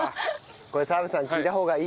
これ澤部さん聞いた方がいいね。